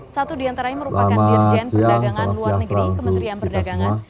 satu diantaranya merupakan dirjen perdagangan luar negeri kementerian perdagangan